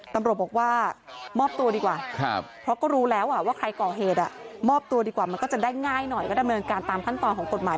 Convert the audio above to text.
ตำรวจบอกว่ามอบตัวดีกว่าเพราะก็รู้แล้วว่าใครก่อเหตุมอบตัวดีกว่ามันก็จะได้ง่ายหน่อยก็ดำเนินการตามขั้นตอนของกฎหมาย